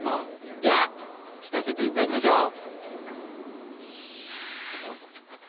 じゃあ聞かせていただきましょう！